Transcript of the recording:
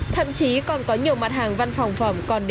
thậm chí còn có nhiều mặt hàng văn phòng phẩm còn đến đây